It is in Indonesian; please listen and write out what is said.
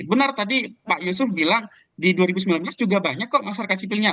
benar tadi pak yusuf bilang di dua ribu sembilan belas juga banyak kok masyarakat sipilnya